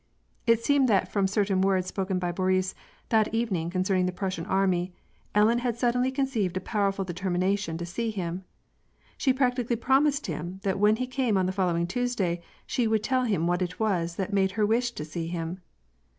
It seemed that from certain words spoken by Boris that evening concerning the Prussian army, Ellen had suddenly conceived a powerful determination to see him. She practi cally promised him that when he came on the following Tues day, she would tell him what it was that made her wish to see him.